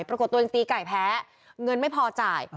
ปรากฏตัวเองตีไก่แพ้เงินไม่พอจ่าย